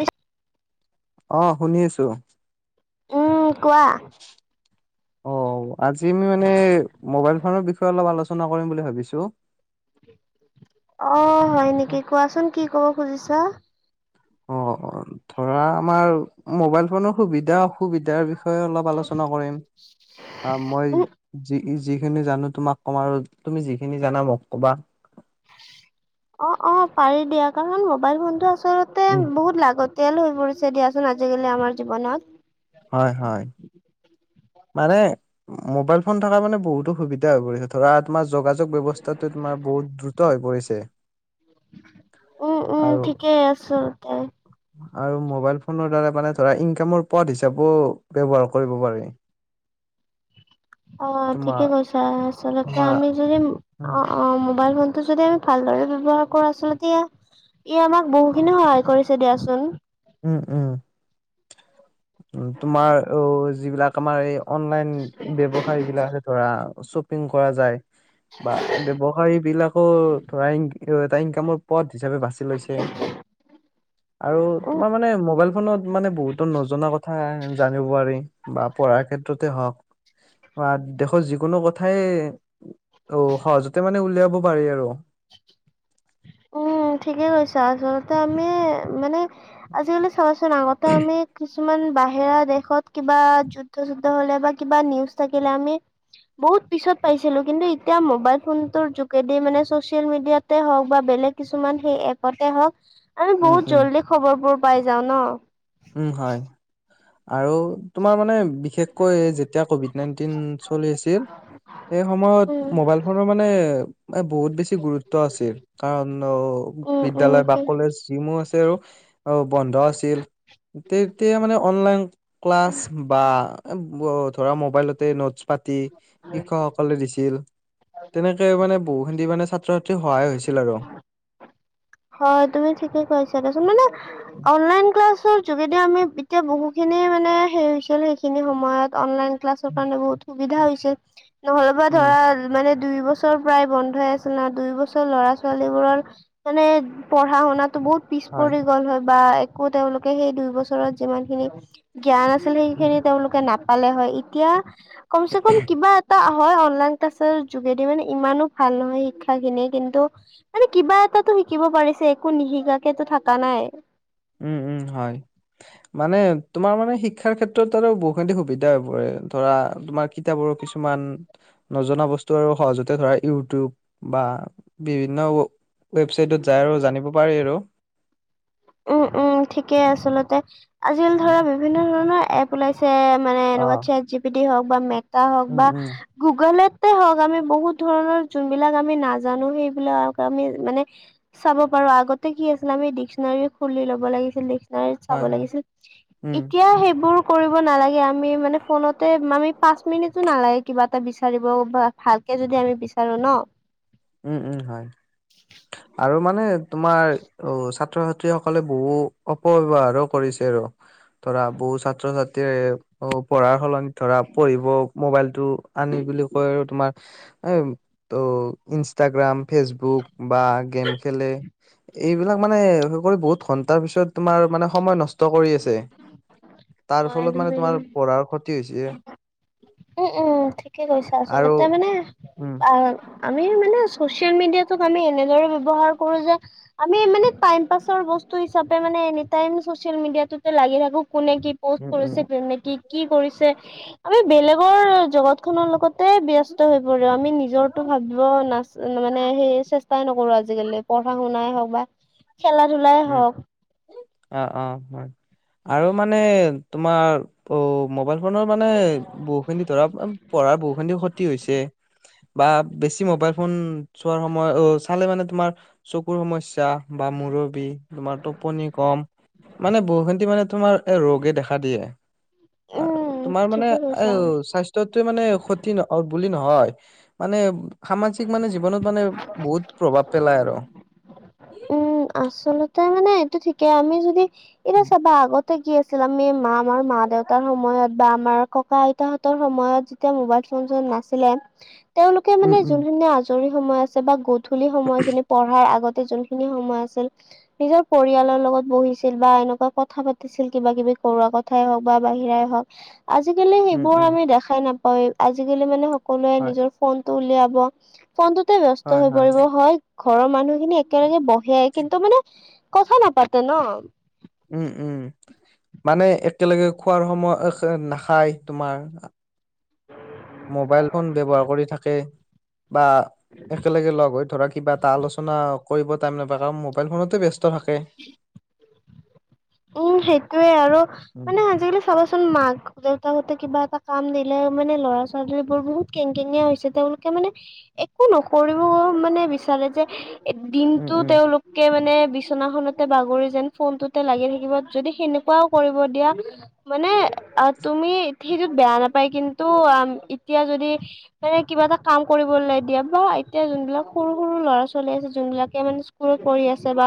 H অঁ শুনি আছো। উম কোৱা? [unintelligible] অ আজি আমি মানে মোবাইল ফোনৰ বিষয়ে অলপ আলোচনা কৰিম বুলি ভাবিছো। অঁ হয় অ নেকি কোৱাচোন কি কব খুজিছা? অঁ ধৰা আমাৰ মোবাইল ফোন সুবিধা অসুবিধ তিয়াৰ বিষয়ে অলপ আলোচনা কৰিম, আহ মই উম যি যিখিনি জানো তোমাক কম আৰু তুমি যিখিনি জানা মোক ক'বা। অঁ অ‌ঁ পাৰি দিয়া কাৰণ মোবাইল ফোনটো আচলতে উম। বহুত লাগতিয়াল হৈ পৰিছে দিয়াচোন আজিকালি আমাৰ জীৱনত। হয় হয়। মানে মোবাইল ফোন থকা মানে বহুতো সুবিধা হয় পৰেহেত। ধৰা তোমাৰ যোগাযোগ ব্যৱস্থাটো তোমাৰ বহুত দ্ৰুত হৈ পৰিছে। উম উম আৰু ঠিকেই আচলতে। আৰু মোবাইল ফোনৰ দ্বাৰা মানে ধৰা ইংকামৰ পথ হিচাপও ব্যৱহাৰ কৰিব পাৰি। অ ঠিকে তোমাৰ কৈছা আচলতে আমি তোমাৰ যদি অ অ মোবাইল ফোনটো যদি আমি ভালদৰে ব্যৱহাৰ কৰো আচলতে এয়া ই আমাক বহুখিনি সহায় কৰিছে দিয়াচোন। উম উম। উম তোমাৰ অ যিবিলাক আমাৰ এই অনলাইন ব্যৱসায় বিলাকহে ধৰা শ্বপিং কৰা যায়। বা ব্যৱসায়ী বিলাকো ধৰাইং এটা ইনকামৰ পথ হিচাপে বাচি লৈছে। আৰু উম তোমাৰ মানে মোবাইল ফোনত মানে বহুতো নজনা কথা জানিব পাৰি। মি বা পঢ়াৰ ক্ষেত্ৰতে হওক বা দেশৰ যিকোনো কথাই অও সহজতে মানে উলিয়াব পাৰি আৰু। উম ঠিকে কৈছা আচলতে আমি মানে আজিকালি চোৱাচোন আগতে আমি কিচ- কিছুমান বাহেৰা দেশত কিবা যুদ্ধ যুদ্ধ হলে বা কিবা নিউজ থাকিলে আমি বহুত পিছত পাইছিলো কিন্তু এতিয়া মোবাইল ফোনটোৰ যোগেদি মানে চচিয়েল মিডিয়াতে হওঁক বা বেলেগ কিছুমান সেই এপতে হওক আমি উম, বহুত উম। জল্দি খবৰবোৰ পাই যাওঁ ন। উম হয় আৰু তোমাৰ মানে বি- শেষকৈ যেতিয়া কভিড নাইনটিন চলি আছিল সেই উম, সময়ত মবাইল ফনক মানে এ বহুত বেছি গুৰুত্ব আছিৰ কাৰণ অও উম, উম, বিদ্যালয় বা ঠিক কলেজ, যিমো আছে আৰু অও বন্ধ আছিল। তেত তিয়া মানে অনলাইন ক্লাছ বা ব ধৰা মোবাইলতে নোটছ পাতি শিক্ষকসকলে দিছিল। তেনেকে মানে বহু খিন্দি মানে ছাত্ৰ ছাত্ৰী সহায় হৈছিল আৰ। হয় তুমি ঠিকে কৈছা দেচোন মানে অনলাইন ক্লাছৰ যোগেদিও আমি এতিয়া বহুখিনি মানে সেই হৈছিল সেইখিনি সময়ত অনলাইন ক্লাছৰ কাৰণে বহুত সুবিধা হৈছে নহ'লেবা উম ধৰা মানে দুই বছৰ প্ৰায় বন্ধই আছে ন দুই বছৰ ল'ৰা ছোৱালীবোৰৰ মানে পঢ়া শুনাতো বহুত পিছ হয় পৰি গ'ল হয় বা একো তেওঁলোকে সেই দুই বছৰত যিমান খিনি জ্ঞান আছিল উম সেইখিনি তেওঁলোকে নাপালে হয় ইতিয়া কমচে কম কিবা এটা হয় অনলাইন। শিষ্টাচাৰ যোগেদি মানে ইমানো ভাল নহয় শিক্ষা খিনি কিন্তু মানে কিবা এটাটো শিক- শিকিব পাৰিছে একো নিশিকাকেতো থাকা নাই। উম উম হয়। মানে তোমাৰ মানে শিক্ষাৰ ক্ষেত্ৰত আৰু বহুখিনি সুবিধা হৈ পৰে ধৰা তোমাৰ কিতাপৰো কিছুমান নজনা বস্তু আৰু সহজতে ধৰা ইউটিউব বা বিভিন্ন ব- ৱেবচাইটত যায় আৰু জানিব পাৰি আৰু। উম উম ঠিকেই আচলতে আজিকালি ধৰা উম বিভিন্ন ধৰণৰ এপ ওলাইছে মানে এনেকুৱা অহ চেক জি পি ডি হওক বা মেটা হওক উম বা উম গুগলতে হওক আমি বহুত ধৰণৰ যোনবিলাক আমি নাজানো সেইবিলাক আমি মানে চাব পাৰো আগতে কি আছিলে আমি ডিক্সনাৰী খুলি ল'ব লাগিছিল ডিক্সনাৰীত চাব হয় হয় লাগিছিল, উম এতিয়া সেইবোৰ কৰিব নালাগে আমি মানে ফোনতে আমি পাঁচ মিনিটো নালাগে কিবা এটা বিচাৰিব বা ভালকে যদি আমি বিচাৰো ন? উম উম হয় আৰু মানে তোমাৰ অ ছাত্ৰ -ছাত্ৰীসকলে বহু অপব্যৱহাৰো কৰিছে আৰু। ধৰা বহুত ছাত্ৰ - ছাত্ৰীয়ে পঢ়াৰ সলনিত ধৰা পঢ়িব মোবাইলটো আনি বুলি কয় আৰু তোমাৰ এ ত' ইনষ্টাগ্ৰাম, ফেচবুক বা গেম খেলে এইবিলাক মানে হ কৰি বহুত ঘন্টাৰ পিছত তোমাৰ মানে সময় নষ্ট কৰি আছে। তাৰ হয় ফলত মানে তোমাৰ তুমি পঢ়াৰ ক্ষতি হৈছে। উম উম ঠিকে কৈছা, আৰু আচলতে মানে উম আহ আমি নো চচিয়েল মিডিয়াতোক আমি এনেদৰে ব্যৱহাৰ কৰো যে আমি মানে টাইম পাছৰ বস্তু হিচাপে মানে এনিটাইম চচিয়েল মিডিয়াটোত তে লাগি থাকো কোনে কি প'ষ্ট উম উম কৰিছে? বে মেটি কি কৰিছে? আমি বেলেগৰ জগত খনৰ লগতে ব্যস্ত হৈ পৰো, আমি নিজৰটো ভাবিব নাচ মানে সেই চেষ্টাই নকৰো আজিকালি, পঢ়া- শুনাই হওক বা খেলা- ধলাই হওক। অঁ অঁ হয়, আৰু মানে তোমাৰ অ মোবাইল ফোনৰ মানে বহুখিনি ধৰা পঢ়াৰ বহু খিনি ক্ষতি হৈছে। বা বেছি মোবাইল ফোন চোৱাৰ সময় অ চালে মানে তোমাৰ চকুৰ সমস্যা বা মূৰৰ বিষ, তোমাৰ টোপনি কম মানে বহু খিনি মানে তোমাৰ এ ৰোগে দেখা দিয়ে। আৰু উম তোমাৰ মানে ঠিকে কৈছা। আও স্বাচ স্থ্যটো মানে ক্ষতি ন বুলি নহয় মানে সামাজিক মানে জীৱনত মানে বহুত প্ৰভাৱ পেলাই আৰু। উম আচলতে মানে এইটো ঠিকেই আমি যদি এতিয়া চাবা আগত তে কি আছিল আমি মাঁ আমাৰ মাঁ - দেউতাৰ সময়ত বা আমাৰ ককা - আইতাহঁতৰ সময়ত তেতিয়া মোবাইল ফোন চোন নাছিলে। [inaudible] তেওঁলোকে উম মানে উম যোনখিনি আজৰি সময় আছে বা গধূলি সময়খিনি পঢ়াৰ আগতে যোন খিনি সময় আছিল নিজৰ পৰিয়ালৰ লগত বহিছিল বা এনেকুৱা কথা পাতিছিল কিবা - কিবি কৰোৱা ক থাই হওক বা বাহিৰাই হওক। আজিকালি উম সেইবোৰ উম আমি দেখাই নাপায় আজিকালি মানে সকলোৱে হয় নিজৰ ফোনটো উলিয়াব, ফোনটোতে বস্ত হৈ পৰিব হয় ঘৰৰ মানুহিনি একেলগে ব সেয়াই কিন্তু মানে কথা নাপাতে ন। উম উম মানে একেলগে খোৱাৰ সময় নাখায় তোমাৰ। মোবাইল ফোন ব্যৱহাৰ কৰি থাকে। বা একেলগে লগ হৈ ধৰা কিবা এটা আলোচনা কৰিব টাইম নাপায় কাৰণ মবাইল ফোনতে ব্যস ত ফাকে। উম সেইটোয়ে আৰু উম মানে আজিকালি চাবাচোন মাক - দেউতাকতে কিবা এটা কাম দিলে মানে ল'ৰা - ছোৱালী বোৰ বহুত কেং কেনিয়া হৈছে তেওঁলোক মানে একো নকৰিব মানে বিচাৰে যে উম দিনটো উম তেওঁলোকে মানে বিচনাখনতে বাগৰি যেন ফোনতে লাগি থা ইবত যদি সেনেকুৱাও কৰিব দিয়া মানে তুমি সেইটোত বেয়া নাপায় কিন্তু এতিয়া যদি মানে কিবা এটা কাম কৰিবলৈ দিয়া বা এতিয়া যোনবিলাক সৰু সৰু ল'ৰা - ছোৱালী আছে যোনবিলাকে মানে কৰি আছে বা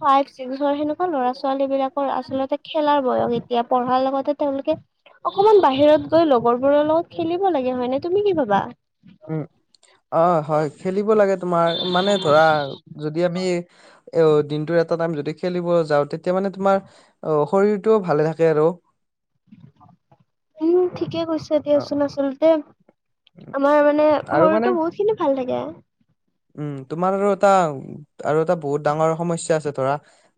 ফাইভ ছিক্সৰ সেনেকুৱা ল'ৰা ছোৱালী বিলাকৰ আচলতে খেলাৰ বয়স এতিয়া পঢ়াৰ লগতে তেওঁলোকে অকমান বাহিৰত গৈ লগৰবোৰৰ লগত খেলিব লাগে হয় নে তুমি কি ভাবা? উম, অ হয় খেলিব লাগে তোমাৰ মানে ধৰা যদি আমি এ দিনটোৰ এটা টাইম যদি খেলিব যাওঁ তেতিয়া মানে তোমাৰ অ শৰীৰ টোও ভালে থাকে আৰু। উম ঠিকে কৈছে অ', দিয়াচোন আচলতে আমাৰ মানে আৰু মানে শৰীৰটো বহুত কিন্তু ভাল লাগে। উম', তোমাৰ আৰু এটা আৰু এটা বহুত ডাঙৰ সমস্যা আছে ধৰা',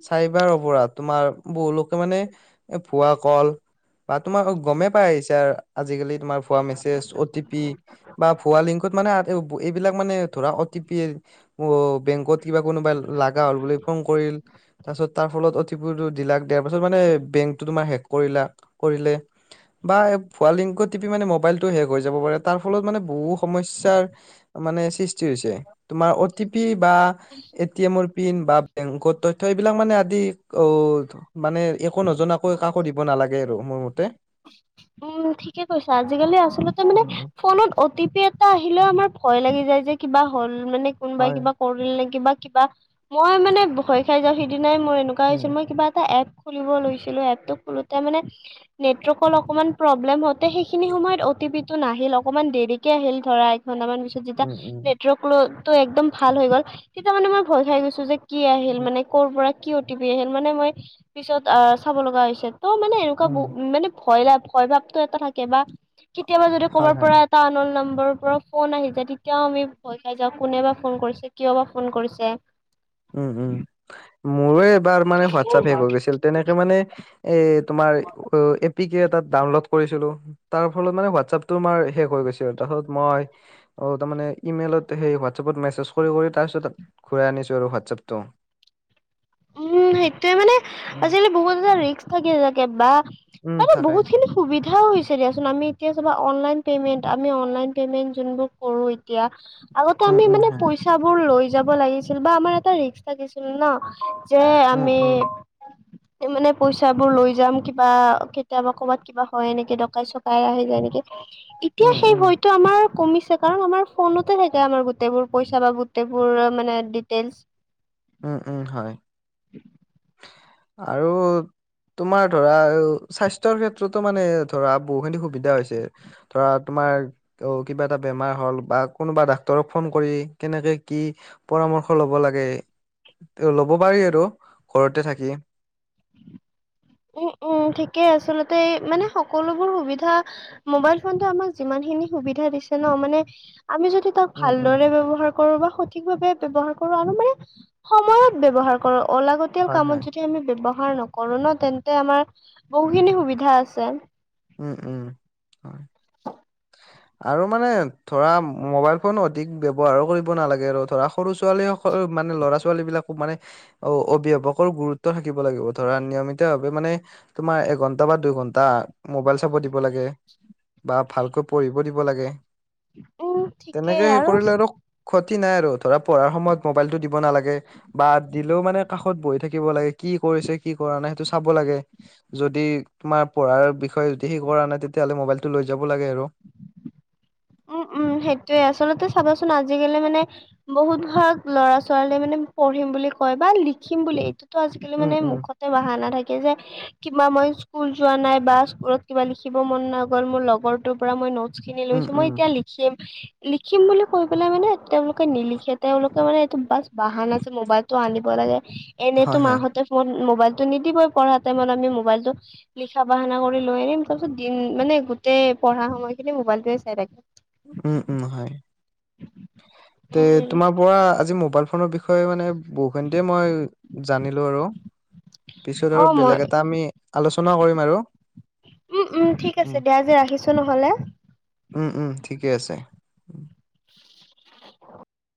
চাইবাৰ অপৰাধ, তোমাৰ বহুলোকে মানে এ ভুৱা কল', বা তোমাৰ গমেই পাই আহিছে আৰু আজিকালি তোমাৰ ভুৱা মেছেজ, অ' টি পি', বা ভুৱা লিংকুত মানে অ', -এ', -ব', এইবিলাক মানে ধৰা', অটিপি, অ', বেংকত কিবা কোনোবা লগা হ'ল বুলি ফোন কৰিল তাৰপিছত তাৰ ফলত অটিপি', বোৰ দিলাক দিয়াৰ পাছত মানে বেংকটো তোমাৰ হেক কৰিলা, কৰিলে', বা এই ভুৱ লিংকত টিপি মানে মোবাইলটো হেক হৈ যাব পাৰে তাৰ ফলত মানে বহুত', সমস্যাৰ মানে সৃষ্টি হৈছে তোমাৰ অ টি পি বা এটিমত', পিন বা বেংকত তথ্য এইবিলাক মানে আদি ওওও', তথ্য মানে একো নজনাকৈ কাম', একো দিব নালাগে আৰু মোৰ মতে', উম', ঠিকে কৈছা আজিকালি আচলতে মানে উম, উম, ফোনত', অ' টি পি এটা আহিলেও আমাৰ ভয় লাগি যায় যে কিবা হ'ল মানে কোনোবাই হয়, কিবা', কৰিল নেকি কিবা- কিবা মই মানে ভয় খাই যাওঁ সিদিনাই মোৰ এনেকুৱা উম, হৈছিল মই কিবা এটা এপ', খুলিব লৈছিলোঁ, এপটো খুলোতে মানে', নেটৱৰ্কখন অকণমান প্ৰব্লেম হওঁতে সেইখিনি সময়ত অ'টি পি টো নাহিল অকণমান দেৰিকে আহিল ধৰা এ একঘন্টামান পিছত', যেতিয়া উম, উম, নেটৱৰ্কটো একদম ভাল হৈ গ'ল তেতিয়া মানে মই ভয় খাই গৈছোঁ যে কি আহিল উম, মানে', ক'বাৰপৰা কি অটিপি আহিল মানে মই পিছত আহ', চাব লগা হৈছে ত' মানে এনেকুৱা উম, বহু', মানে ভয় লাভ ভয় ভাৱটো এটা থাকে বা কেতিয়াবা যদি হয়, ক'বাৰ হয়, পৰা', এটা আননোন নাম্বৰৰ পৰা ফোন আহি যায় তেতিয়াও আমি ভয় খাই যাওঁ কোনে বাা ফোন কৰিছে কিয় বা ফোন কৰিছে', উম', - উম', মোৰ এবাৰ মানে হোৱাটছআপ হেক হৈ গৈছিল তেনেকে মানে', এ', তোমাৰ উ', এ পি কে এটাত ডাউনলোড কৰিছিলোঁ ', তাৰ ফলত মানে হোৱাটছআপটো তোমাৰ হেক হৈ গৈছে আৰু তাৰপিছত মই', অ', তাৰমানে ইমেইলত সেই হোৱাটচ আপত মেছেজ কৰি - কৰি তাৰপিছত ঘূৰাই আনিছোঁ আৰু হোৱাটচ ', হোৱাটছআপটো', উম', সেইটোৱে মানে উম, আজিকালি বহুত এটা ৰিস্ক থাকে -থাকে বা উম, মানে তাকে, বহুত খিনি', সুবিধা হৈছে দিয়া চোন আমি এতিয়া চাবা অনলাইন পেমেন্ট, আমি আনলাইন পেমেন্ট যোনবোৰ কৰোঁ এতিয়া', আগতে উম, আমি উম, মানে হয়, পইচাবোৰ লৈ যাব লাগিছিল বা আমাৰ এটা ৰিস্ক থাকিছিল ন', যে উম, আমি', [unintelligible] মানে পইচা বোৰ লৈ যাম কিবা কেতিয়াবা ক'বাত কিবা হয় নেকি ডকাই - চকাই আহি যায় নেকি', এতিয়া উম, সেই উম, ভয়তো', ত', আমাৰ কমিছে কাৰণ আমাৰ ফোনতে থাকে আমাৰ গোটেইবোৰ পইচা বা গোটেইবোৰ মানে ডিটেইলচ', উম', - উম', - হয়', উম', আৰু', তোমাৰ ধৰা স্বাস্থ্যৰ ক্ষেত্ৰতো মানে ধৰা বহুখিনি সুবিধা হৈছে', ধৰা তোমাৰ', অ', কিবা এটা বেমাৰ হ'ল বা কোনোবা ডাক্তৰক ফোন কৰি কেনেকে কি', পৰামৰ্শ লব লাগে, ত', লব পাৰি আৰু ঘৰতে থাকি', উম', - উম', ঠিকেই আচলতে মানে সকলোবোৰ সুবিধা', মোবাইল ফোনটো আমাক যিমান খিনি সুবিধা দিছে ন মানে আমি যদি তাক উম উম ভালদৰে ব্যৱহাৰ', কৰোঁ বা সঠিকভাৱে ব্যৱহাৰ কৰোঁ আৰু মানে সময়ত ব্যৱহাৰ কৰোঁ অলাগতিয়াল হয় কামত হয় যদি', যদি আমি ব্যৱহাৰ নকৰোঁ ন তেন্তে আমাৰ বহুখিনি সুবিধা আছে', উম', - উম', - হয়', আৰু মানে ধৰা মোবাইল ফোন অধিক ব্যৱহাৰো কৰিব নালাগে আৰু ধৰা', সৰু ছোৱালী সকল মানে ল'ৰা - ছোৱালী বিলাকো মানে', অ', - অভিভাৱকৰ গুৰুত্ব থাকিব লাগিব ধৰা নিয়মিতভাৱে মানে', তোমাৰ এঘন্টা বা দুই ঘন্টা মোবাইল চাব দিব লাগে', উম', বা ভালকৈ পঢ়িব দিব লাগে, উম তেনেকে ঠিকেই হে কৰিলে আৰু', ক্ষতি নাই আৰু ধৰা পঢ়াৰ সময়ত মোবাইলটো দিব নালাগে। বা দিলেও মানে কাষত বহি থাকিব লাগে কি কৰিছে কি কৰা নাই সেইটো চাব লাগে। যদি তোমাৰ পঢ়াৰ বিষয়ে যদি সেই কৰা নাই তেতিয়াহলে মোবাইলটো লৈ যাব লাগে আৰু উম উম সেইটোৱে আচলতে চাবাচোন আজিকালি মানে। বহুত ভাগ ল'ৰা ছোৱালীয়ে মানে পঢ়িম বুলি কয় বা লিখিম বুলি এইটো, টো আজিকালি উম মানে উম মুখতে বহানা থাকে যে, কিবা মই স্কুল যোৱা নাই বা স্কুলত কিবা লিখিব মন নগ'ল মোৰ লগৰ ত পৰা মই নত খিনি উম লৈছো উম মই এতিয়া লিখিম, লিখিম বুলি কৈ পেলাই মানে তেওঁলোকে নিলিখে তেওঁলোকে মানে এইটো বাছ বাহান যে মোবাইলটো, টো আনিব লাগে এনেতো হয় হয় মাহঁতে ফোন মোবাইলতটো নিদিবই পঢ়া টাইমত আমি মোবাইলটো, লিখা বাহনা কৰি লৈ আনিম তাৰ পিছত দিন মানে গোটেই পঢ়া সময় খিনি মোবাইলটোৱে চাই থাকে, উম উম হয়। তে উম, তোমাৰ পৰা আজি মোবাইল ফোনৰ বিষয়ে বিষয়ে মানে বহুখিনিতে মই জানিলো আৰু পিছত আৰু অ' মই বেলেগ এটা আমি আলোচনাও কৰিম আৰু উম উম ঠিক আছে দিয়া আজি ৰাখিছো নহ'লে। উম উম ঠিকে আছে। উম।